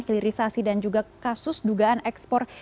hilirisasi dan juga kasus dugaan ekspor